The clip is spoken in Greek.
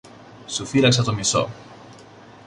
Σου φύλαξα το μισό.